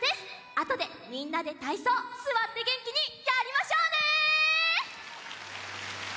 あとでみんなでたいそうすわってげんきにやりましょうね！